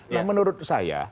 nah menurut saya